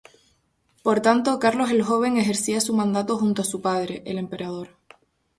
Por tanto, Carlos el Joven ejercía su mandato junto a su padre, el emperador.